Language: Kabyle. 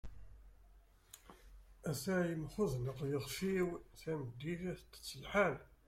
at-ah yemxudneq yixef-iw, tameddit ad tett lḥal